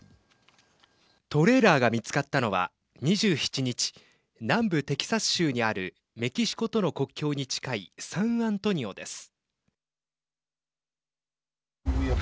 トレーラーが見つかったのは２７日、南部テキサス州にあるメキシコとの国境に近いサンアントニオです。